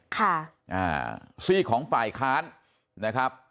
ค่ะอ่าซีกของฝ่ายค้านนะครับ